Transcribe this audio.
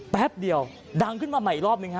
แป๊บเดียวดังขึ้นมาใหม่อีกรอบหนึ่งฮ